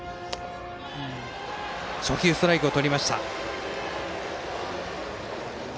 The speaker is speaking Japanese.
初球、ストライクをとりました。